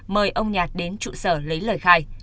mời ông nhạt đến trụ sở lấy lời khai